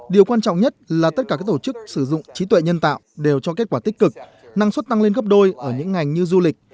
điều quan trọng nhất là tất cả các tổ chức sử dụng trí tuệ nhân tạo đều cho kết quả tích cực năng suất tăng lên gấp đôi ở những ngành như du lịch